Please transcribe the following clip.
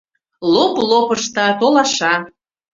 Лоп-лоп ышта-толаша